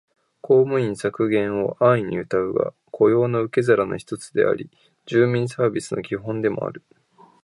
公務員削減を安易にうたうが、雇用の受け皿の一つであり、住民サービスの基本でもある